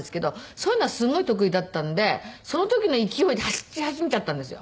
そういうのはすごい得意だったんでその時の勢いで走り始めちゃったんですよ。